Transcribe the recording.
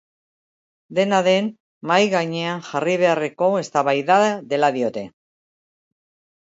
Dena den, mahai gainean jarri beharreko eztabaida dela diote.